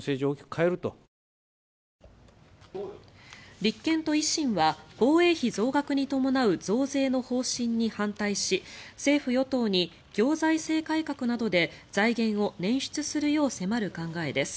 立憲と維新は防衛費増額に伴う増税の方針に反対し政府与党に行財政改革などで財源を捻出するよう迫る考えです。